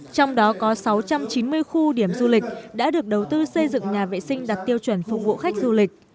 trong đó có sáu trăm chín mươi khu điểm du lịch đã được đầu tư xây dựng nhà vệ sinh đặt tiêu chuẩn phục vụ khách du lịch